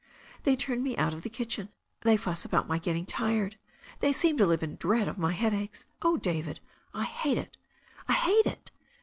They turn me out of the kitchen, they fuss about my getting tired, they seem to live in dread of my headaches. Oh, David, I hate it! I hate it!